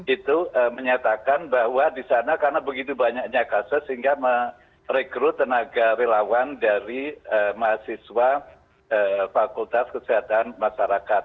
itu menyatakan bahwa di sana karena begitu banyaknya kasus sehingga merekrut tenaga relawan dari mahasiswa fakultas kesehatan masyarakat